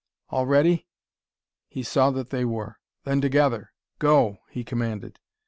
All ready?" He saw that they were. "Then, together go!" he commanded.